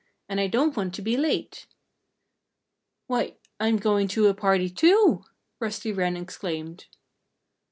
And I don't want to be late." "Why I'm going to a party, too!" Rusty Wren exclaimed.